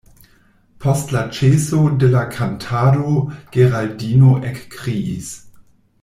Post la ĉeso de la kantado Geraldino ekkriis: